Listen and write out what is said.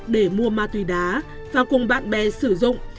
để mua ma túy đá và cùng bạn bè sử dụng